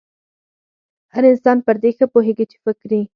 هر انسان پر دې ښه پوهېږي چې فکري